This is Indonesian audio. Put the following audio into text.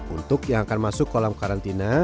untuk yang akan masuk kolam karantina